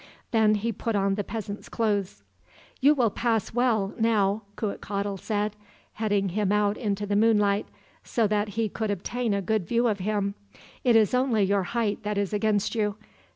Then he put on the peasant's clothes. "You will pass well, now," Cuitcatl said, heading him out in the moonlight, so that he could obtain a good view of him. "It is only your height that is against you.